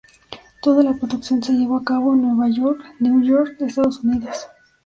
Toda la producción se llevó a cabo en Nueva York, New York, Estados Unidos.